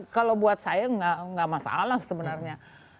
kalau buat saya nggak masalah sebenarnya